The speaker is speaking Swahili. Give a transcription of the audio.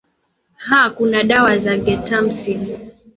aa kuna dawa ya gentamycin